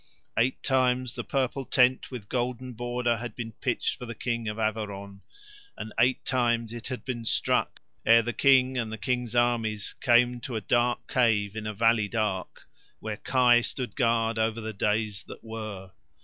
Eight times the purple tent with golden border had been pitched for the King of Averon, and eight times it had been struck ere the King and the King's armies came to a dark cave in a valley dark, where Kai stood guard over the days that were.